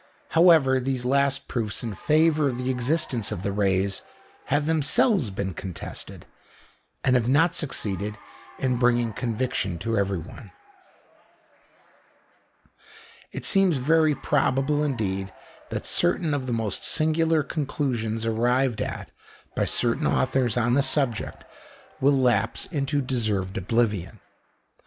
However, these last proofs in favour of the existence of the rays have themselves been contested, and have not succeeded in bringing conviction to everyone. It seems very probable indeed that certain of the most singular conclusions arrived at by certain authors on the subject will lapse into deserved oblivion.